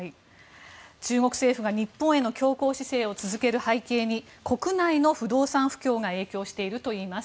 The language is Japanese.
中国政府が日本への強硬姿勢を続ける背景に国内の不動産不況が影響しているといいます。